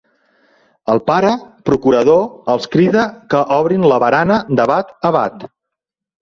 El pare procurador els crida que obrin la barana de bat a bat.